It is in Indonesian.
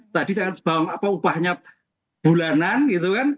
tadi jangan bawa upahnya bulanan gitu kan